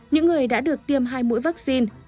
những người đã được tiêm hai mũi vaccine